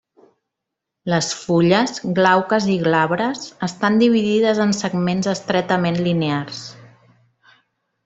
Les fulles, glauques i glabres, estan dividides en segments estretament linears.